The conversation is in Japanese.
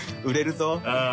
売れるぞ。